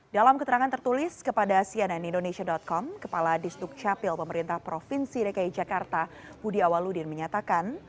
dalam keterangan tertulis kepada cnn indonesia com kepala disduk capil pemerintah provinsi dki jakarta budi awaludin menyatakan